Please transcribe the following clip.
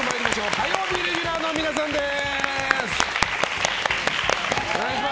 火曜日レギュラーの皆さんです。